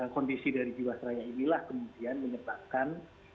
kondisi dari jiwasraya inilah kemudian menyebabkan